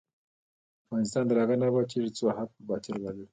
افغانستان تر هغو نه ابادیږي، ترڅو حق پر باطل غالب نشي.